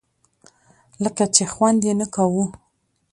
لکه چې خوند یې نه کاوه.